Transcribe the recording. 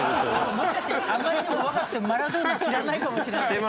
もしかしてあまりにも若くてマラドーナを知らないかもしれない。